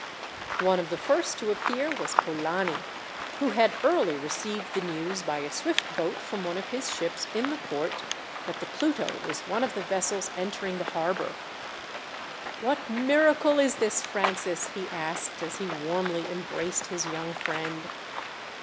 One of the first to appear was Polani, who had early received the news by a swift boat from one of his ships in the port, that the Pluto was one of the vessels entering the harbour. "What miracle is this, Francis?" he asked, as he warmly embraced his young friend.